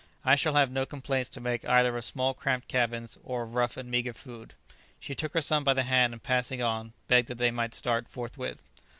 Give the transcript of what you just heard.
I shall have no complaints to make either of small cramped cabins, or of rough and meagre food." She took her son by the hand, and passing on, begged that they might start forthwith.